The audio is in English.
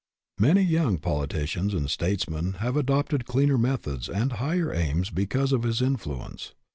Many young politicians and statesmen have adopted cleaner methods and higher aims because of his influ ence.